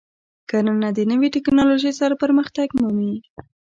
کرنه د نوې تکنالوژۍ سره پرمختګ مومي.